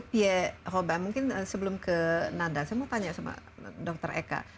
pierre robin mungkin sebelum ke nanda saya mau tanya sama dr eka